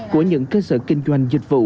của những cơ sở kinh doanh dịch vụ